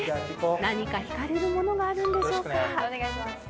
何か惹かれるものがあるんでしょうか？